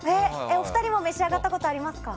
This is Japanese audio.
お二人も召し上がったことありますか？